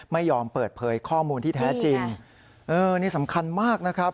ไม่ยอมเปิดเผยข้อมูลที่แท้จริงเออนี่สำคัญมากนะครับ